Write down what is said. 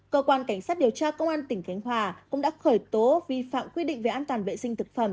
cơ quan cảnh sát điều tra công an tỉnh khánh hòa cũng đã khởi tố vi phạm quy định về an toàn vệ sinh thực phẩm